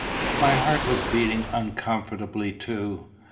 My heart was beating uncomfortably too.